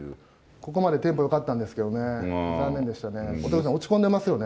ここまでテンポよかったんですけどね、残念でしたね。